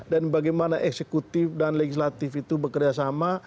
dan bagaimana eksekutif dan legislatif itu bekerjasama